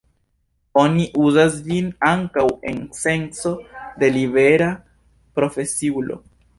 Oni uzas ĝin ankaŭ en senco de libera profesiulo.